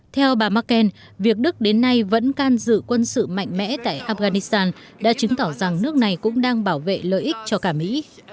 theo bà merkel việc đức đến nay vẫn can dự quân sự mạnh mẽ tại afghanistan đã chứng tỏ rằng nước này cũng đang bảo vệ lợi ích cho cả mỹ